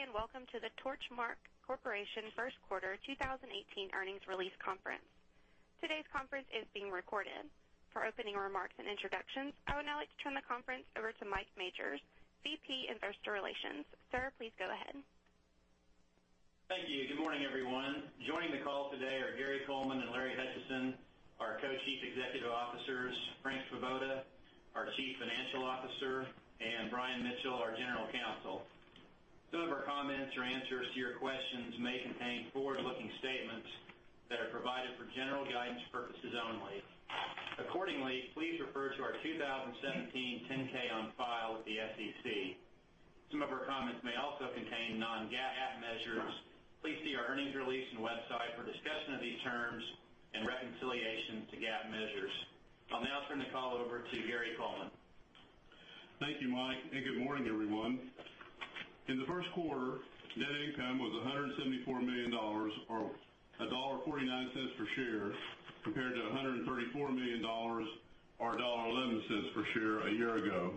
Good day, welcome to the Torchmark Corporation First Quarter 2018 Earnings Release Conference. Today's conference is being recorded. For opening remarks and introductions, I would now like to turn the conference over to Mike Majors, VP Investor Relations. Sir, please go ahead. Thank you. Good morning, everyone. Joining the call today are Gary Coleman and Larry Hutchison, our Co-chief Executive Officers, Frank Svoboda, our Chief Financial Officer, and Brian Mitchell, our General Counsel. Some of our comments or answers to your questions may contain forward-looking statements that are provided for general guidance purposes only. Accordingly, please refer to our 2017 10-K on file with the SEC. Some of our comments may also contain non-GAAP measures. Please see our earnings release and website for a discussion of these terms and reconciliation to GAAP measures. I'll now turn the call over to Gary Coleman. Thank you, Mike. Good morning, everyone. In the first quarter, net income was $174 million, or $1.49 per share, compared to $134 million or $1.11 per share a year ago.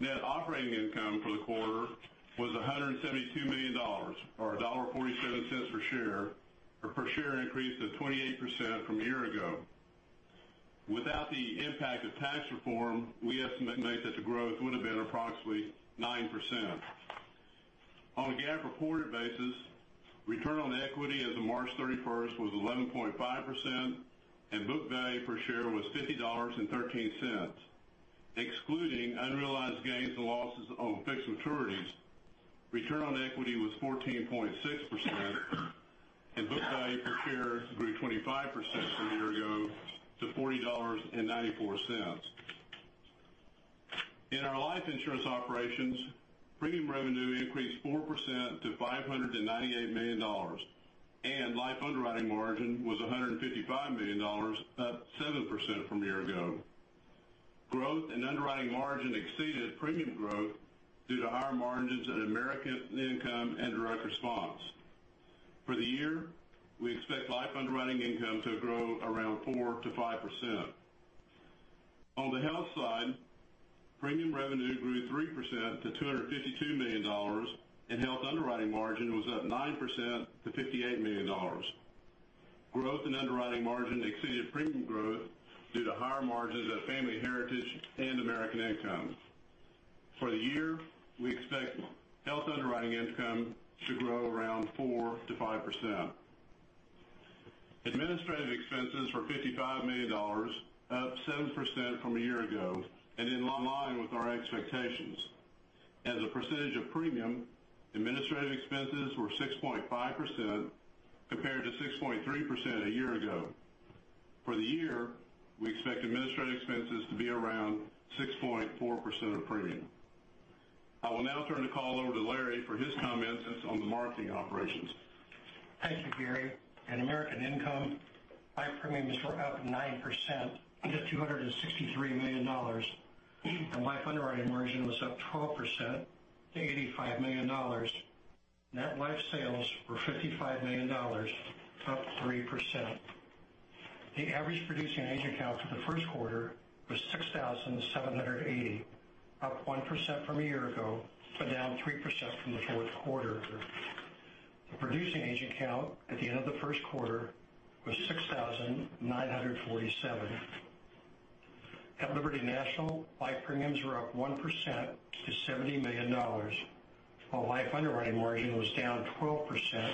Net operating income for the quarter was $172 million, or $1.47 per share, a per-share increase of 28% from a year ago. Without the impact of tax reform, we estimate that the growth would've been approximately 9%. On a GAAP-reported basis, return on equity as of March 31st was 11.5%, and book value per share was $50.13. Excluding unrealized gains and losses on fixed maturities, return on equity was 14.6%, and book value per share grew 25% from a year ago to $40.94. In our life insurance operations, premium revenue increased 4% to $598 million, and life underwriting margin was $155 million, up 7% from a year ago. Growth in underwriting margin exceeded premium growth due to higher margins at American Income and Direct Response. For the year, we expect life underwriting income to grow around 4%-5%. On the health side, premium revenue grew 3% to $252 million, and health underwriting margin was up 9% to $58 million. Growth in underwriting margin exceeded premium growth due to higher margins at Family Heritage and American Income. For the year, we expect health underwriting income to grow around 4%-5%. Administrative expenses were $55 million, up 7% from a year ago, and in line with our expectations. As a percentage of premium, administrative expenses were 6.5% compared to 6.3% a year ago. For the year, we expect administrative expenses to be around 6.4% of premium. I will now turn the call over to Larry for his comments on the marketing operations. Thank you, Gary. At American Income, life premiums were up 9% to $263 million, and life underwriting margin was up 12% to $85 million. Net life sales were $55 million, up 3%. The average producing agent count for the first quarter was 6,780, up 1% from a year ago, but down 3% from the fourth quarter. The producing agent count at the end of the first quarter was 6,947. At Liberty National, life premiums were up 1% to $70 million, while life underwriting margin was down 12%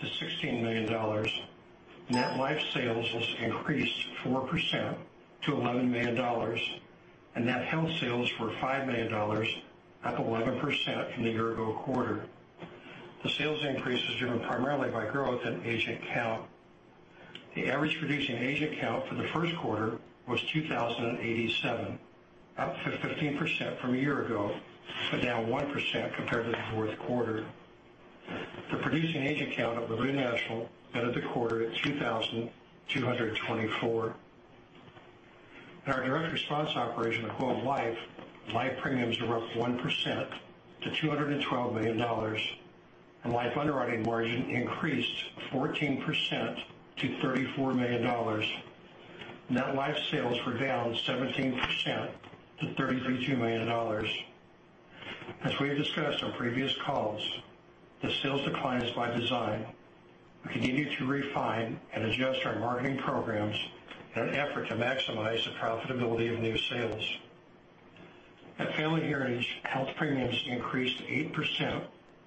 to $16 million. Net life sales increased 4% to $11 million, and net health sales were $5 million, up 11% from the year-ago quarter. The sales increase was driven primarily by growth in agent count. The average producing agent count for the first quarter was 2,087, up 15% from a year ago, but down 1% compared to the fourth quarter. The producing agent count at Liberty National ended the quarter at 2,224. At our Direct Response operation at Globe Life, life premiums were up 1% to $212 million, and life underwriting margin increased 14% to $34 million. Net life sales were down 17% to $332 million. As we have discussed on previous calls, the sales decline is by design. We continue to refine and adjust our marketing programs in an effort to maximize the profitability of new sales. At Family Heritage, health premiums increased 8%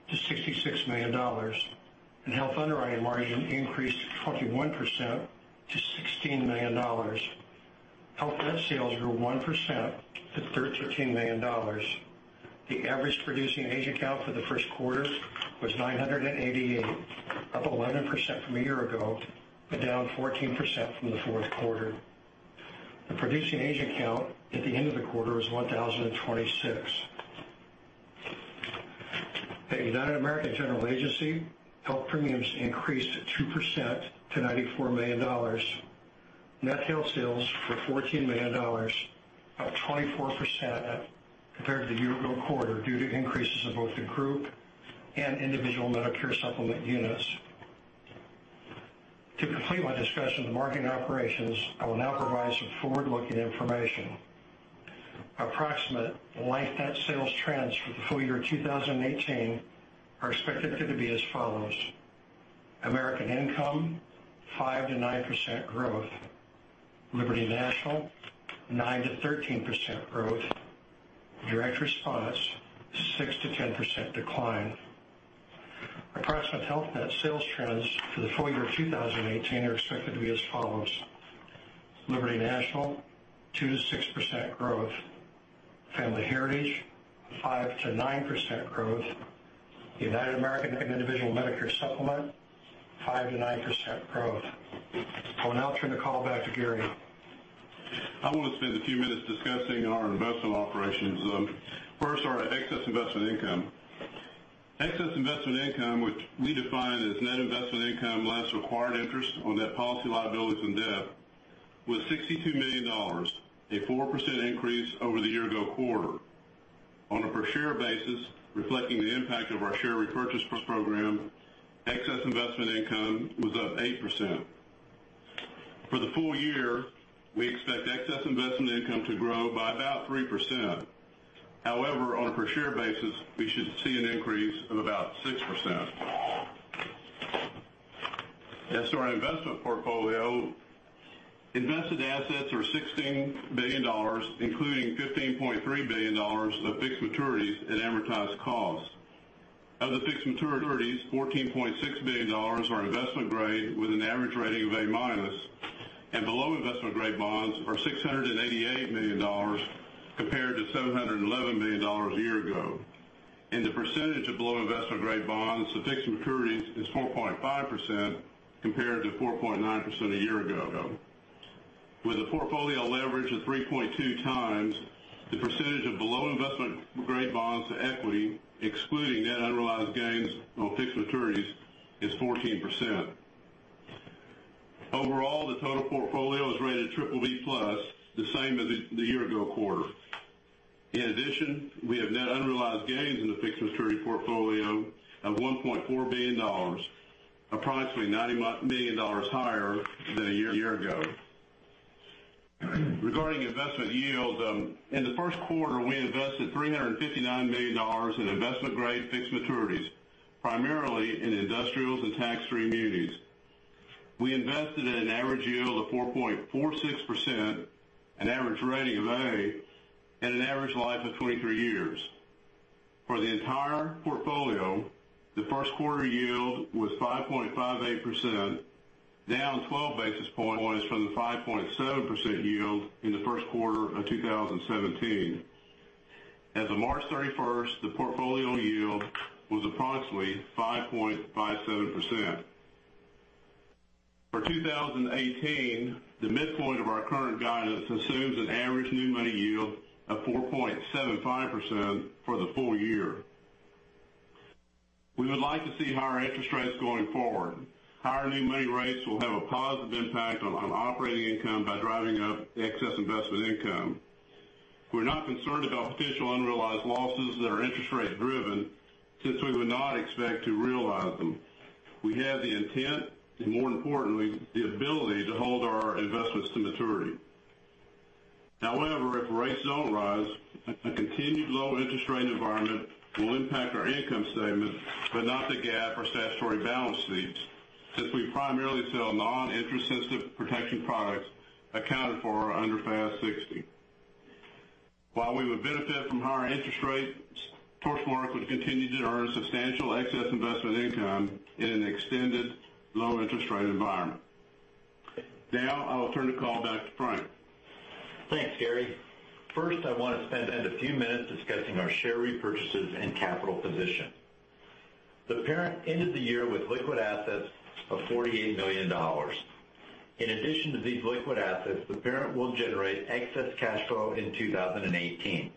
to $66 million, and health underwriting margin increased 21% to $16 million. Health net sales grew 1% to $13 million. The average producing agent count for the first quarter was 988, up 11% from a year ago, but down 14% from the fourth quarter. The producing agent count at the end of the quarter was 1,026. At United American General Agency, health premiums increased 2% to $94 million. Net health sales were $14 million, up 24% compared to the year-ago quarter due to increases in both the group and individual Medicare Supplement units. To complete my discussion of the marketing operations, I will now provide some forward-looking information. Approximate Life Net sales trends for the full year 2018 are expected to be as follows. American Income, 5%-9% growth. Liberty National, 9%-13% growth. Direct Response, 6%-10% decline. Approximate Health Net sales trends for the full year 2018 are expected to be as follows. Liberty National, 2%-6% growth. Family Heritage, 5%-9% growth. United American Individual Medicare Supplement, 5%-9% growth. I will now turn the call back to Gary. I want to spend a few minutes discussing our investment operations. First, our excess investment income. Excess investment income, which we define as net investment income less required interest on net policy liabilities and debt, was $62 million, a 4% increase over the year-ago quarter. On a per share basis, reflecting the impact of our share repurchase program, excess investment income was up 8%. For the full year, we expect excess investment income to grow by about 3%. However, on a per share basis, we should see an increase of about 6%. As to our investment portfolio, invested assets are $16 billion, including $15.3 billion of fixed maturities at amortized cost. Of the fixed maturities, $14.6 billion are investment-grade with an average rating of A-minus, and below investment-grade bonds are $688 million compared to $711 million a year ago. The percentage of below investment-grade bonds to fixed maturities is 4.5% compared to 4.9% a year ago. With a portfolio leverage of 3.2 times, the percentage of below investment-grade bonds to equity, excluding net unrealized gains on fixed maturities, is 14%. Overall, the total portfolio is rated BBB+, the same as the year ago quarter. In addition, we have net unrealized gains in the fixed maturity portfolio of $1.4 billion, approximately $90 million higher than a year ago. Regarding investment yield, in the first quarter, we invested $359 million in investment-grade fixed maturities, primarily in industrials and tax-free munis. We invested at an average yield of 4.46%, an average rating of A, and an average life of 23 years. For the entire portfolio, the first quarter yield was 5.58%, down 12 basis points from the 5.7% yield in the first quarter of 2017. As of March 31st, the portfolio yield was approximately 5.57%. For 2018, the midpoint of our current guidance assumes an average new money yield of 4.75% for the full year. We would like to see higher interest rates going forward. Higher new money rates will have a positive impact on operating income by driving up excess investment income. We're not concerned about potential unrealized losses that are interest rate driven, since we would not expect to realize them. We have the intent, and more importantly, the ability to hold our investments to maturity. However, if rates don't rise, a continued low interest rate environment will impact our income statement, but not the GAAP or statutory balance sheets, since we primarily sell non-interest sensitive protection products accounted for under FAS 60. While we would benefit from higher interest rates, Torchmark would continue to earn substantial excess investment income in an extended low interest rate environment. Now, I will turn the call back to Frank. Thanks, Gary. First, I want to spend a few minutes discussing our share repurchases and capital position. The parent ended the year with liquid assets of $48 million. In addition to these liquid assets, the parent will generate excess cash flow in 2018.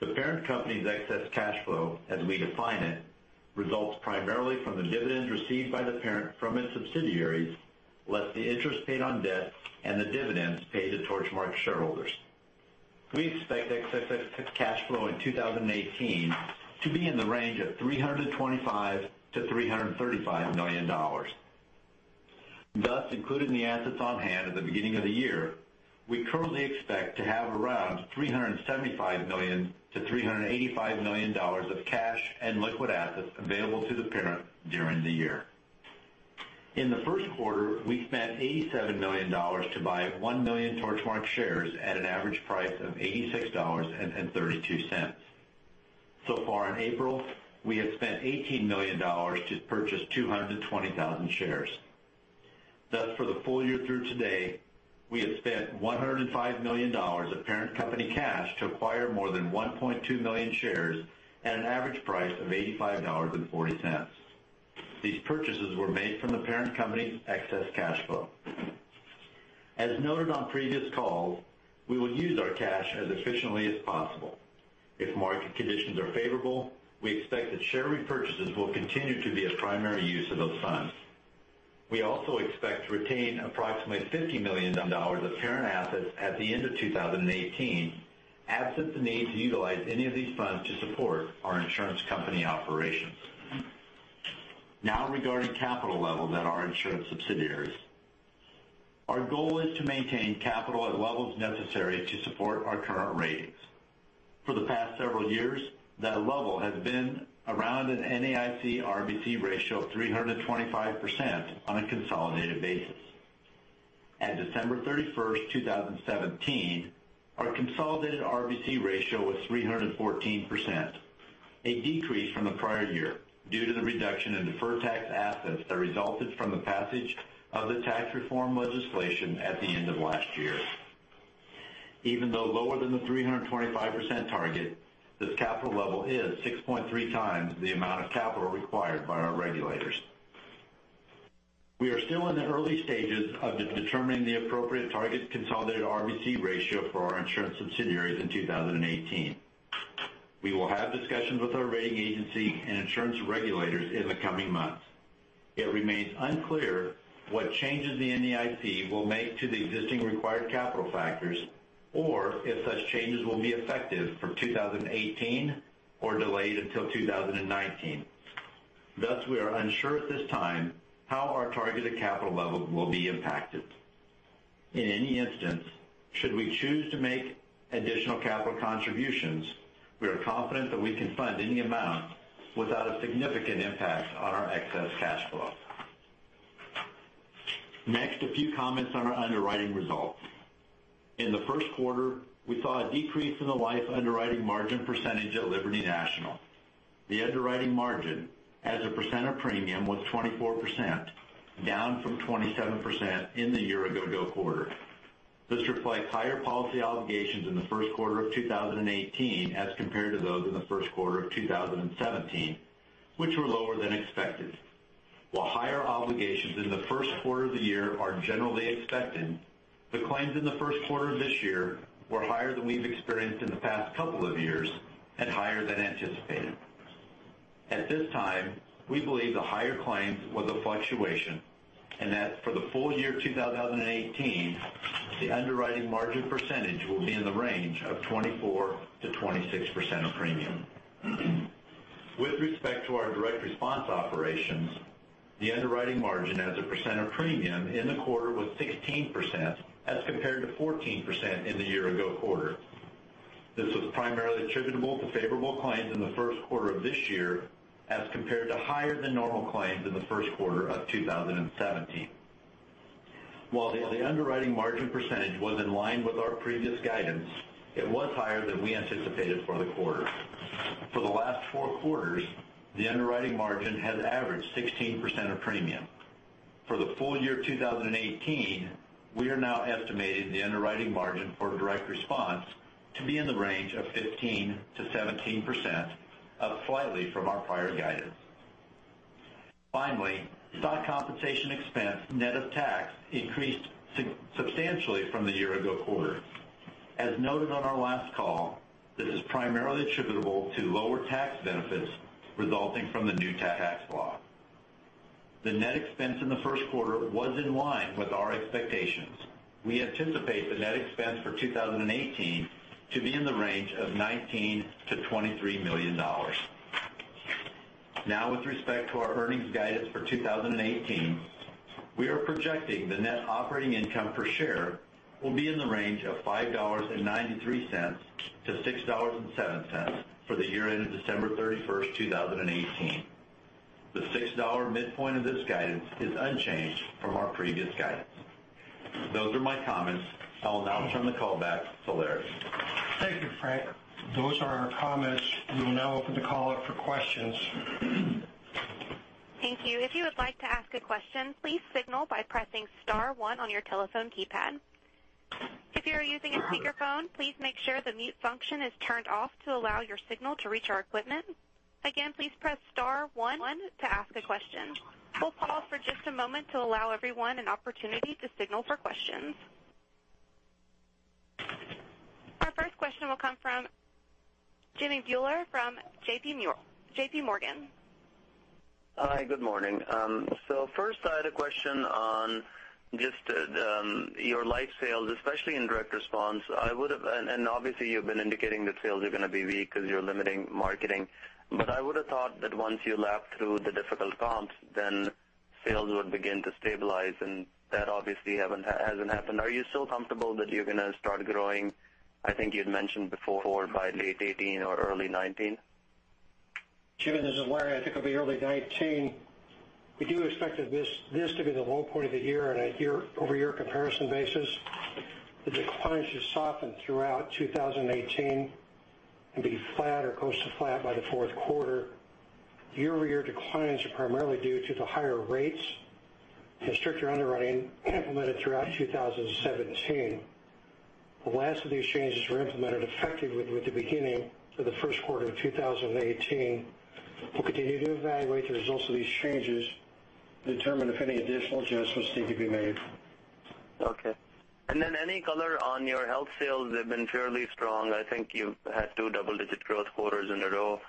The parent company's excess cash flow, as we define it, results primarily from the dividends received by the parent from its subsidiaries, less the interest paid on debt and the dividends paid to Torchmark shareholders. We expect excess cash flow in 2018 to be in the range of $325 million-$335 million. Including the assets on hand at the beginning of the year, we currently expect to have around $375 million-$385 million of cash and liquid assets available to the parent during the year. In the first quarter, we spent $87 million to buy 1 million Torchmark shares at an average price of $86.32. In April, we have spent $18 million to purchase 220,000 shares. Thus, for the full year through today, we have spent $105 million of parent company cash to acquire more than 1.2 million shares at an average price of $85.40. These purchases were made from the parent company's excess cash flow. As noted on previous calls, we will use our cash as efficiently as possible. If market conditions are favorable, we expect that share repurchases will continue to be a primary use of those funds. We also expect to retain approximately $50 million of parent assets at the end of 2018 Absent the need to utilize any of these funds to support our insurance company operations. Regarding capital levels at our insurance subsidiaries. Our goal is to maintain capital at levels necessary to support our current ratings. For the past several years, that level has been around an NAIC RBC ratio of 325% on a consolidated basis. At December 31st, 2017, our consolidated RBC ratio was 314%, a decrease from the prior year due to the reduction in deferred tax assets that resulted from the passage of the tax reform legislation at the end of last year. Even though lower than the 325% target, this capital level is 6.3 times the amount of capital required by our regulators. We are still in the early stages of determining the appropriate target consolidated RBC ratio for our insurance subsidiaries in 2018. We will have discussions with our rating agency and insurance regulators in the coming months. It remains unclear what changes the NAIC will make to the existing required capital factors, or if such changes will be effective for 2018 or delayed until 2019. Thus, we are unsure at this time how our targeted capital level will be impacted. In any instance, should we choose to make additional capital contributions, we are confident that we can fund any amount without a significant impact on our excess cash flow. A few comments on our underwriting results. In the first quarter, we saw a decrease in the life underwriting margin percentage at Liberty National. The underwriting margin as a percent of premium was 24%, down from 27% in the year ago quarter. This reflects higher policy obligations in the first quarter of 2018 as compared to those in the first quarter of 2017, which were lower than expected. While higher obligations in the first quarter of the year are generally expected, the claims in the first quarter of this year were higher than we've experienced in the past couple of years and higher than anticipated. At this time, we believe the higher claims were the fluctuation, and that for the full year 2018, the underwriting margin percentage will be in the range of 24%-26% of premium. With respect to our Direct Response operations, the underwriting margin as a percent of premium in the quarter was 16% as compared to 14% in the year ago quarter. This was primarily attributable to favorable claims in the first quarter of this year as compared to higher than normal claims in the first quarter of 2017. While the underwriting margin percentage was in line with our previous guidance, it was higher than we anticipated for the quarter. For the last four quarters, the underwriting margin has averaged 16% of premium. For the full year 2018, we are now estimating the underwriting margin for Direct Response to be in the range of 15%-17%, up slightly from our prior guidance. Finally, stock compensation expense net of tax increased substantially from the year-ago quarter. As noted on our last call, this is primarily attributable to lower tax benefits resulting from the new tax law. The net expense in the first quarter was in line with our expectations. We anticipate the net expense for 2018 to be in the range of $19 million-$23 million. With respect to our earnings guidance for 2018, we are projecting the net operating income per share will be in the range of $5.93-$6.07 for the year ending December 31st, 2018. The $6 midpoint of this guidance is unchanged from our previous guidance. Those are my comments. I'll now turn the call back to Larry. Thank you, Frank. Those are our comments. We will now open the call up for questions. Thank you. If you would like to ask a question, please signal by pressing star one on your telephone keypad. If you are using a speakerphone, please make sure the mute function is turned off to allow your signal to reach our equipment. Again, please press star one to ask a question. We'll pause for just a moment to allow everyone an opportunity to signal for questions. Our first question will come from Jimmy Bhullar from JPMorgan. Hi, good morning. First I had a question on just your life sales, especially in Direct Response. Obviously you've been indicating that sales are going to be weak because you're limiting marketing, I would've thought that once you lap through the difficult comps, sales would begin to stabilize, and that obviously hasn't happened. Are you still comfortable that you're going to start growing, I think you'd mentioned before, by late 2018 or early 2019? Jimmy, this is Larry. I think it'll be early 2019. We do expect this to be the low point of the year on a year-over-year comparison basis. The declines should soften throughout 2018 and be flat or close to flat by the fourth quarter. Year-over-year declines are primarily due to the higher rates and stricter underwriting implemented throughout 2017. The last of these changes were implemented effectively with the beginning of the first quarter of 2018. We'll continue to evaluate the results of these changes to determine if any additional adjustments need to be made. Okay. Any color on your health sales? They've been fairly strong. I think you've had two double-digit growth quarters in a row.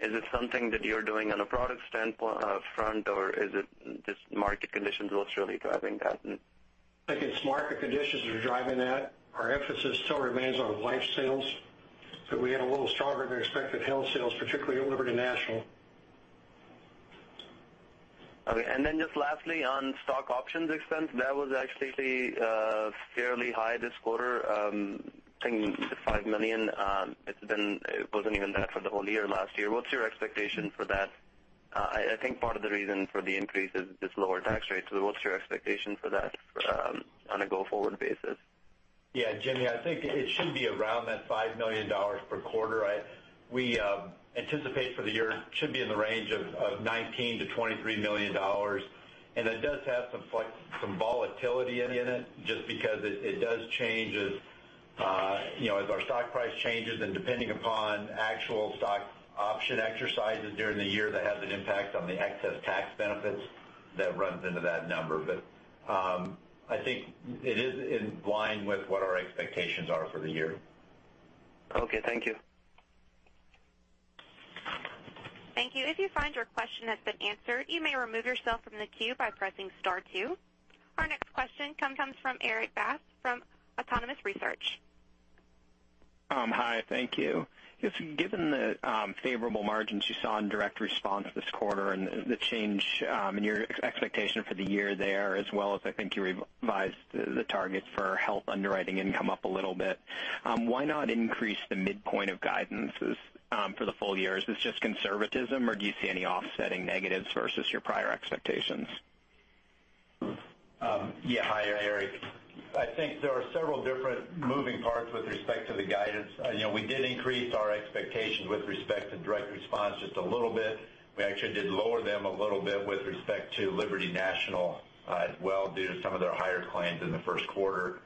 Is it something that you're doing on a product front or is it just market conditions what's really driving that? I think it's market conditions that are driving that. Our emphasis still remains on life sales, we had a little stronger than expected health sales, particularly at Liberty National. Just lastly, on stock options expense, that was actually fairly high this quarter, I think $5 million. It wasn't even that for the whole year last year. What's your expectation for that? I think part of the reason for the increase is this lower tax rate. What's your expectation for that on a go-forward basis? Jimmy, I think it should be around that $5 million per quarter. We anticipate for the year, should be in the range of $19 million-$23 million. It does have some volatility in it, just because it does change as our stock price changes. Depending upon actual stock option exercises during the year, that has an impact on the excess tax benefits that runs into that number. I think it is in line with what our expectations are for the year. Okay, thank you. Thank you. If you find your question has been answered, you may remove yourself from the queue by pressing star two. Our next question comes from Erik Bass from Autonomous Research. Hi, thank you. Given the favorable margins you saw in Direct Response this quarter and the change in your expectation for the year there, as well as, I think you revised the targets for health underwriting income up a little bit. Why not increase the midpoint of guidances for the full year? Is this just conservatism, or do you see any offsetting negatives versus your prior expectations? Yeah. Hi, Erik. I think there are several different moving parts with respect to the guidance. We did increase our expectations with respect to Direct Response just a little bit. We actually did lower them a little bit with respect to Liberty National as well, due to some of their higher claims in the first quarter.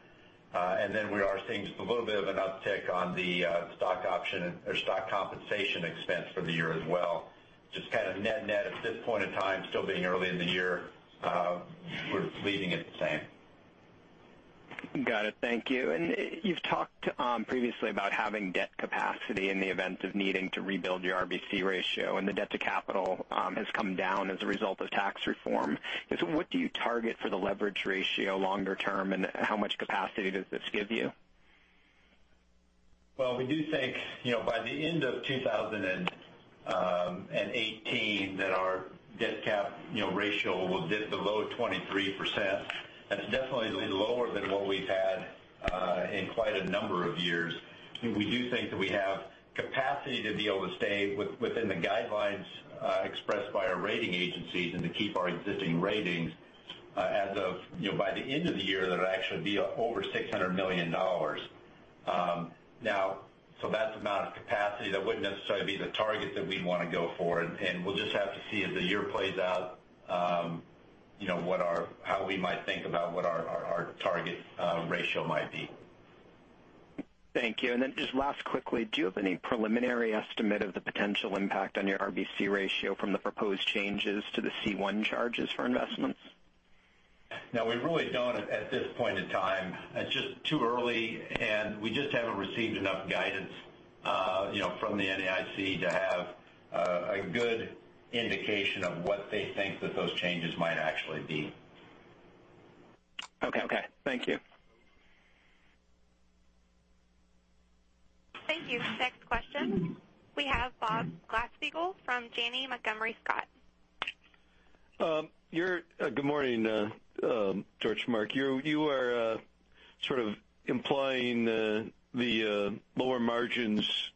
We are seeing just a little bit of an uptick on the stock compensation expense for the year as well. Just kind of net at this point in time, still being early in the year, we're leaving it the same. Got it. Thank you. You've talked previously about having debt capacity in the event of needing to rebuild your RBC ratio, and the debt to capital has come down as a result of tax reform. What do you target for the leverage ratio longer term, and how much capacity does this give you? Well, we do think, by the end of 2018 that our debt cap ratio will dip below 23%. That's definitely lower than what we've had in quite a number of years. We do think that we have capacity to be able to stay within the guidelines expressed by our rating agencies and to keep our existing ratings. By the end of the year, that'll actually be over $600 million. That's the amount of capacity that wouldn't necessarily be the target that we'd want to go for, and we'll just have to see as the year plays out, how we might think about what our target ratio might be. Thank you. Just last quickly, do you have any preliminary estimate of the potential impact on your RBC ratio from the proposed changes to the C1 charges for investments? No, we really don't at this point in time. It's just too early, and we just haven't received enough guidance from the NAIC to have a good indication of what they think that those changes might actually be. Okay. Thank you. Thank you. Next question, we have Bob Glasspiegel from Janney Montgomery Scott. Good morning, Gary, Mike. You are sort of implying the lower margins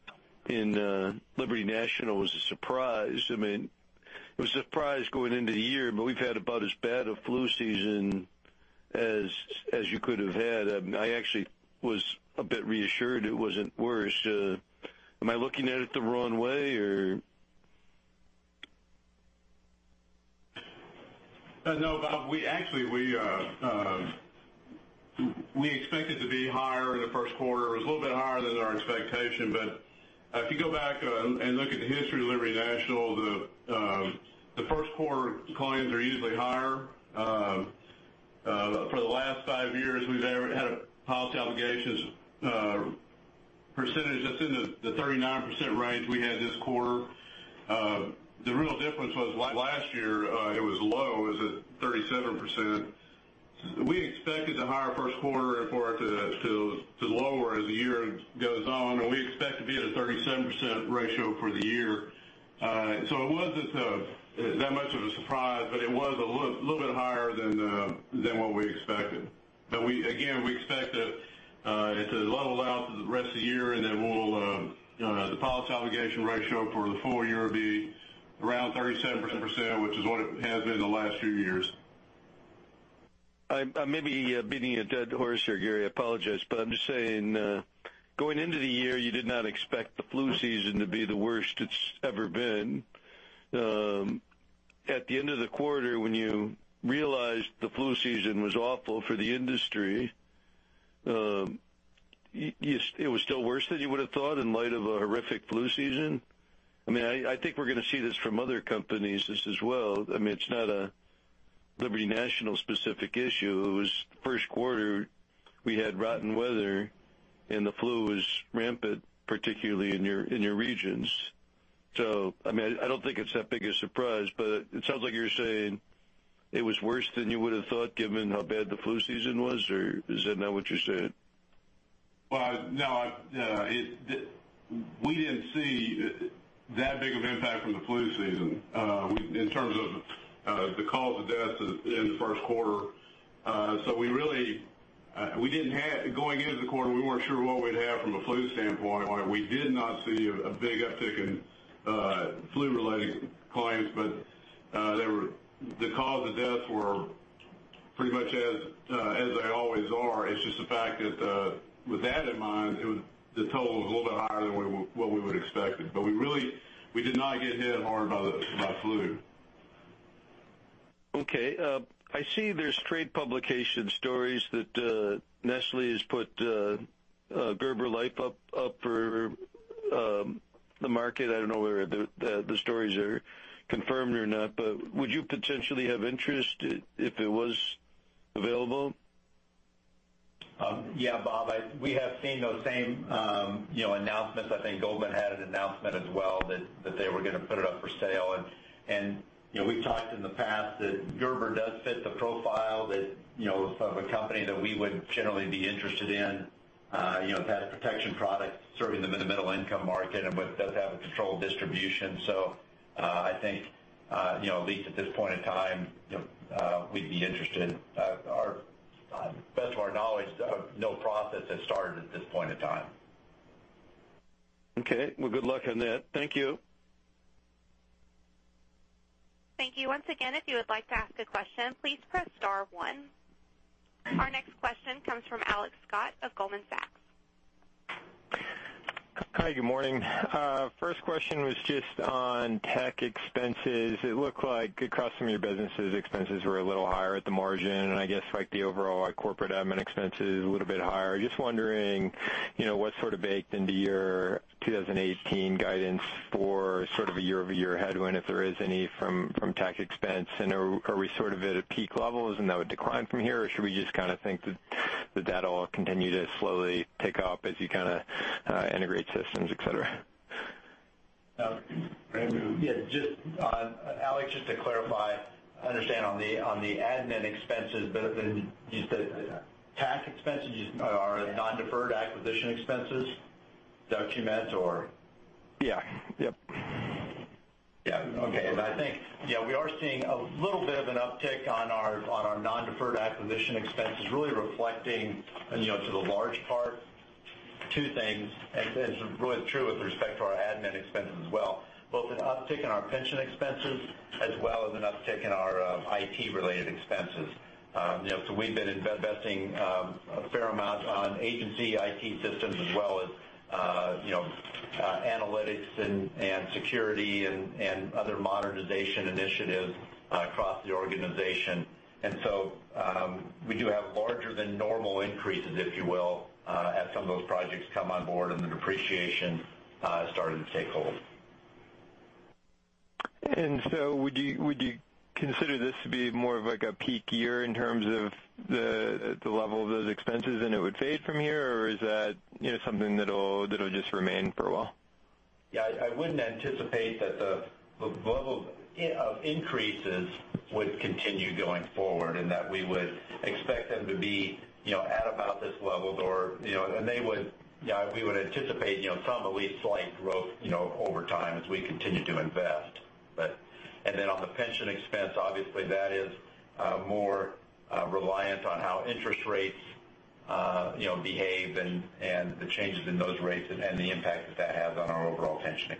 in Liberty National was a surprise. It was a surprise going into the year, but we've had about as bad a flu season as you could have had. I actually was a bit reassured it wasn't worse. Am I looking at it the wrong way, or? No, Bob, actually, we expect it to be higher in the first quarter. It was a little bit higher than our expectation, but if you go back and look at the history of Liberty National, the first quarter claims are usually higher. For the last five years, we've had a policy obligations percentage that's in the 39% range we had this quarter. The real difference was last year, it was low. It was at 37%. We expected the higher first quarter for it to lower as the year goes on, and we expect to be at a 37% ratio for the year. It wasn't that much of a surprise, but it was a little bit higher than what we expected. Again, we expect that it'll level out for the rest of the year, and then the policy obligation ratio for the full year will be around 37%, which is what it has been the last few years. I may be beating a dead horse here, Gary, I apologize, but I'm just saying, going into the year, you did not expect the flu season to be the worst it's ever been. At the end of the quarter, when you realized the flu season was awful for the industry, it was still worse than you would've thought in light of a horrific flu season? I think we're going to see this from other companies as well. It's not a Liberty National specific issue. It was first quarter We had rotten weather and the flu was rampant, particularly in your regions. I don't think it's that big a surprise, but it sounds like you're saying it was worse than you would've thought, given how bad the flu season was, or is that not what you're saying? Well, no, we didn't see that big of an impact from the flu season in terms of the cause of death in the first quarter. Going into the quarter, we weren't sure what we'd have from a flu standpoint. We did not see a big uptick in flu-related claims. The cause of deaths were pretty much as they always are. It's just the fact that with that in mind, the total was a little bit higher than what we would've expected. We did not get hit hard by the flu. Okay. I see there's trade publication stories that Nestlé has put Gerber Life up for the market. I don't know whether the stories are confirmed or not, would you potentially have interest if it was available? Yeah, Bob, we have seen those same announcements. I think Goldman had an announcement as well that they were going to put it up for sale. We've talked in the past that Gerber does fit the profile of a company that we would generally be interested in. It has protection products serving the middle-income market and does have a controlled distribution. I think, at least at this point in time, we'd be interested. To the best of our knowledge, no process has started at this point in time. Okay. Well, good luck on that. Thank you. Thank you. Once again, if you would like to ask a question, please press star one. Our next question comes from Alex Scott of Goldman Sachs. Hi, good morning. First question was just on tech expenses. It looked like across some of your businesses, expenses were a little higher at the margin, and I guess the overall corporate admin expense is a little bit higher. Just wondering what's sort of baked into your 2018 guidance for sort of a year-over-year headwind, if there is any, from tech expense, and are we sort of at peak levels, and that would decline from here, or should we just kind of think that that'll continue to slowly tick up as you kind of integrate systems, et cetera? Alex, just to clarify, I understand on the admin expenses, but when you said tech expenses, are non-deferrable acquisition expenses what you meant, or? Yeah. Yep. Yeah. Okay. I think we are seeing a little bit of an uptick on our non-deferrable acquisition expenses really reflecting, and to the large part, two things, and it's really true with respect to our admin expenses as well, both an uptick in our pension expenses as well as an uptick in our IT-related expenses. We've been investing a fair amount on agency IT systems as well as analytics and security and other modernization initiatives across the organization. We do have larger than normal increases, if you will, as some of those projects come on board and the depreciation is starting to take hold. Would you consider this to be more of a peak year in terms of the level of those expenses, and it would fade from here, or is that something that'll just remain for a while? Yeah, I wouldn't anticipate that the level of increases would continue going forward and that we would expect them to be at about this level. We would anticipate some at least slight growth over time as we continue to invest. On the pension expense, obviously that is more reliant on how interest rates behave and the changes in those rates and the impact that has on our overall pension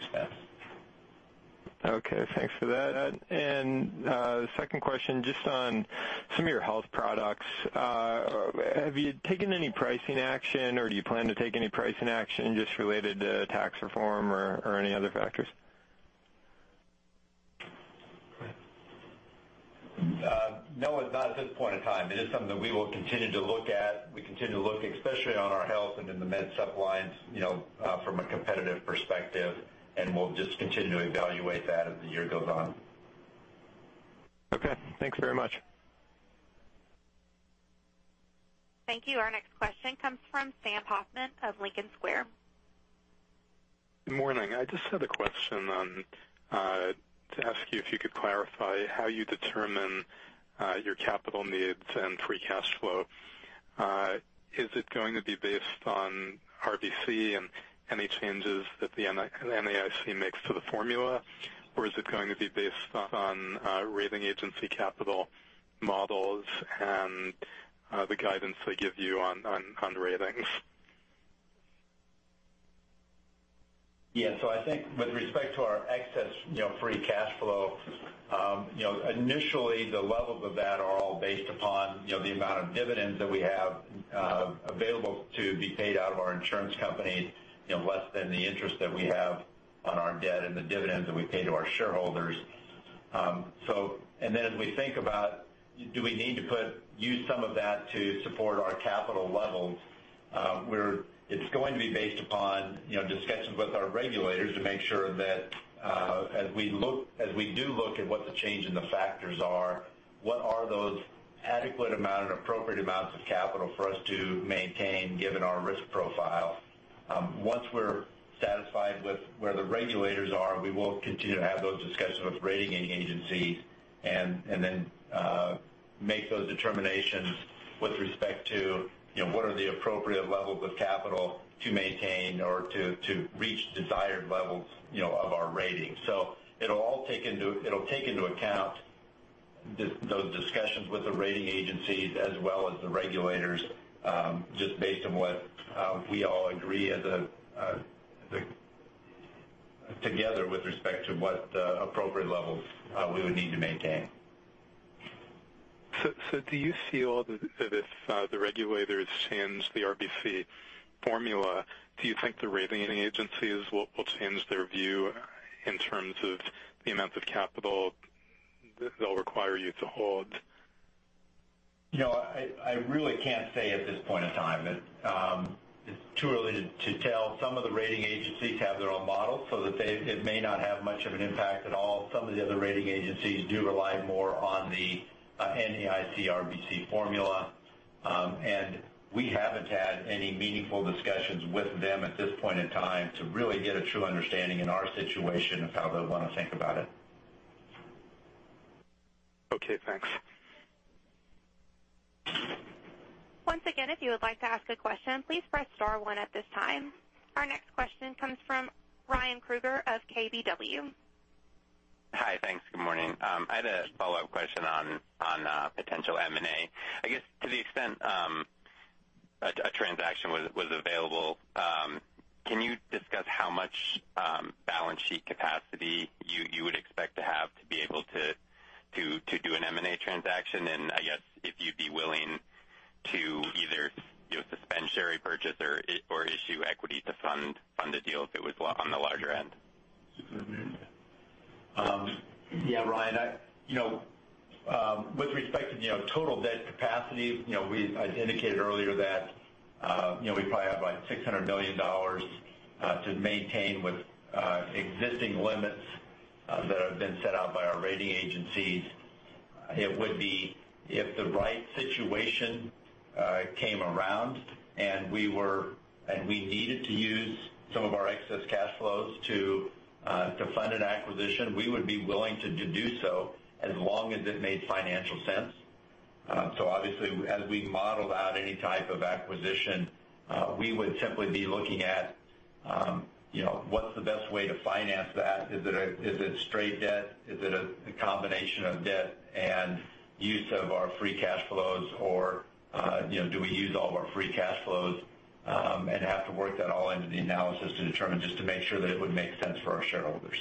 expense. Okay. Thanks for that. The second question, just on some of your health products, have you taken any pricing action, or do you plan to take any pricing action just related to tax reform or any other factors? No, not at this point in time. It is something that we will continue to look at. We continue to look especially on our health and in the Med supp lines from a competitive perspective, and we'll just continue to evaluate that as the year goes on. Okay. Thanks very much. Thank you. Our next question comes from Sam Hoffman of Lincoln Square. Good morning. I just had a question to ask you if you could clarify how you determine your capital needs and free cash flow. Is it going to be based on RBC and any changes that the NAIC makes to the formula, or is it going to be based on rating agency capital models and the guidance they give you on ratings? Yeah. I think with respect to our excess free cash flow, initially the levels of that are all based upon the amount of dividends that we have available to be paid out of our insurance company in less than the interest that we have on our debt and the dividends that we pay to our shareholders. As we think about do we need to use some of that to support our capital levels. It's going to be based upon discussions with our regulators to make sure that as we do look at what the change in the factors are, what are those adequate amount and appropriate amounts of capital for us to maintain given our risk profile. Once we're satisfied with where the regulators are, we will continue to have those discussions with rating agencies and then make those determinations with respect to what are the appropriate levels of capital to maintain or to reach desired levels of our rating. It'll take into account those discussions with the rating agencies as well as the regulators, just based on what we all agree together with respect to what the appropriate levels we would need to maintain. Do you feel that if the regulators change the RBC formula, do you think the rating agencies will change their view in terms of the amount of capital they'll require you to hold? I really can't say at this point in time. It's too early to tell. Some of the rating agencies have their own models, so it may not have much of an impact at all. Some of the other rating agencies do rely more on the NAIC RBC formula. We haven't had any meaningful discussions with them at this point in time to really get a true understanding in our situation of how they'll want to think about it. Okay, thanks. Once again, if you would like to ask a question, please press star one at this time. Our next question comes from Ryan Krueger of KBW. Hi. Thanks. Good morning. I had a follow-up question on potential M&A. I guess to the extent a transaction was available, can you discuss how much balance sheet capacity you would expect to have to be able to do an M&A transaction? I guess if you'd be willing to either suspend share purchase or issue equity to fund the deal if it was on the larger end? Yeah. Ryan, with respect to total debt capacity, as indicated earlier that we probably have about $600 million to maintain with existing limits that have been set out by our rating agencies. If the right situation came around and we needed to use some of our excess cash flows to fund an acquisition, we would be willing to do so as long as it made financial sense. Obviously, as we model out any type of acquisition, we would simply be looking at what's the best way to finance that. Is it straight debt? Is it a combination of debt and use of our free cash flows? Or do we use all of our free cash flows and have to work that all into the analysis to determine just to make sure that it would make sense for our shareholders.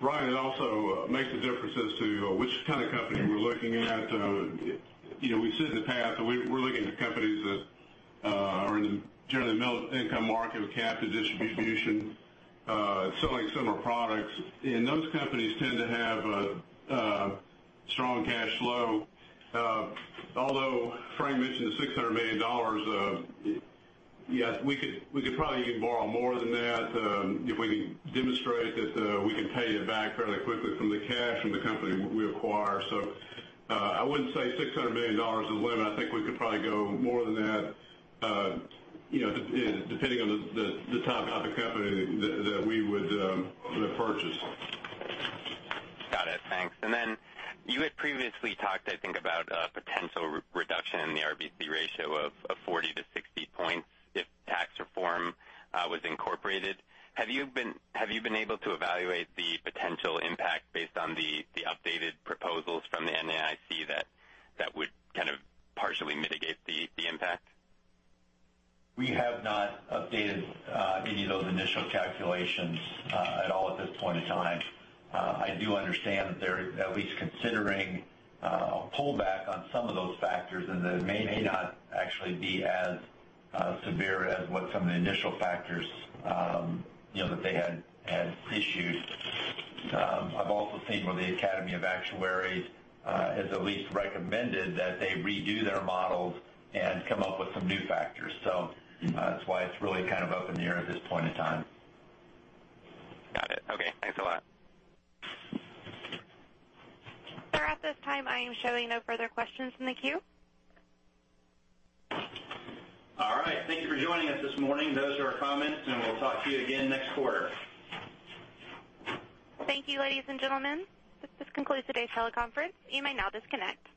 Ryan, it also makes a difference as to which kind of company we're looking at. We've said in the past that we're looking at companies that are in the generally middle income market with captive distribution, selling similar products. Those companies tend to have a strong cash flow. Although Frank mentioned the $600 million, yes, we could probably even borrow more than that if we can demonstrate that we can pay it back fairly quickly from the cash from the company we acquire. I wouldn't say $600 million is the limit. I think we could probably go more than that depending on the type of company that we would purchase. Got it. Thanks. Then you had previously talked, I think, about a potential reduction in the RBC ratio of 40 to 60 points if tax reform was incorporated. Have you been able to evaluate the potential impact based on the updated proposals from the NAIC that would kind of partially mitigate the impact? We have not updated any of those initial calculations at all at this point in time. I do understand that they're at least considering a pullback on some of those factors, and that it may not actually be as severe as what some of the initial factors that they had issued. I've also seen where the Academy of Actuaries has at least recommended that they redo their models and come up with some new factors. That's why it's really kind of up in the air at this point in time. Got it. Okay. Thanks a lot. Sir, at this time, I am showing no further questions in the queue. All right. Thank you for joining us this morning. Those are our comments, and we'll talk to you again next quarter. Thank you, ladies and gentlemen. This concludes today's teleconference. You may now disconnect.